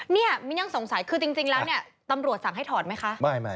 นี่มิ้นยังสงสัยคือจริงแล้วเนี่ยตำรวจสั่งให้ถอดไหมคะ